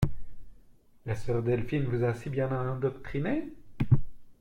La sœur Delphine vous a si bien endoctrinée?